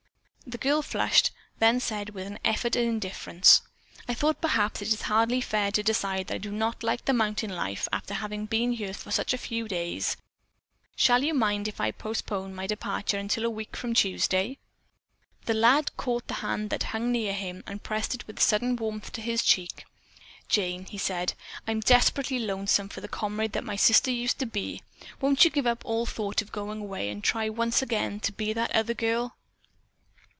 The girl flushed, then said with an effort at indifference: "I thought perhaps it is hardly fair to decide that I do not like the mountain life, after having been here for such a few days. Shall you mind if I postpone my departure until a week from Tuesday?" The lad caught the hand that hung near him and pressed it with sudden warmth to his cheek. "Jane," he said, "I'm desperately lonesome for the comrade that my sister used to be. Won't you give up all thought of going away and try once again to be that other girl?"